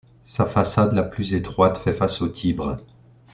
Sa façade la plus étroite fait face au Tibre.